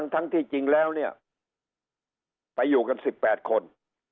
ทั้งที่จริงแล้วเนี่ยไปอยู่กัน๑๘คน